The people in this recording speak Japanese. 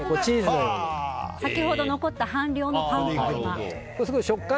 先ほど残った半量のパン粉を。